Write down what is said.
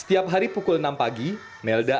setiap hari pukul enam pagi melda